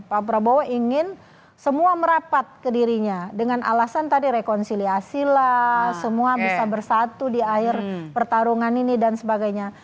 pak prabowo ingin semua merapat ke dirinya dengan alasan tadi rekonsiliasi lah semua bisa bersatu di akhir pertarungan ini dan sebagainya